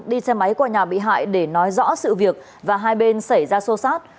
đi xe máy qua nhà bị hại để nói rõ sự việc và hai bên xảy ra xô xát